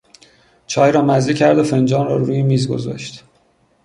چای را مزه کرد و فنجان را روی میز گذاشت.